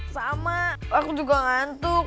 sama aku juga ngantuk